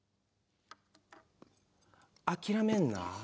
諦めんな。